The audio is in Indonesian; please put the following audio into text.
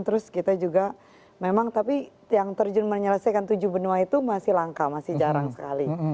terus kita juga memang tapi yang terjun menyelesaikan tujuh benua itu masih langka masih jarang sekali